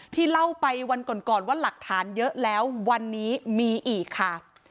เล่าไปวันก่อนว่าหลักฐานเยอะแล้ววันนี้มีอีกค่ะ